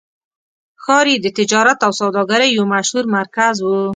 ښار یې د تجارت او سوداګرۍ یو مشهور مرکز و.